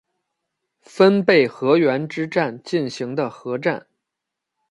分倍河原之战进行的合战。